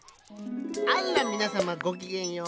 あっらみなさまごきげんよう。